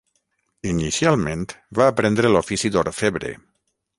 Inicialment va aprendre l'ofici d'orfebre.